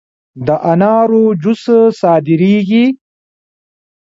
د انارو جوس صادریږي؟